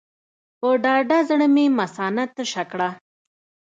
په ډاډه زړه مې مثانه تشه کړه.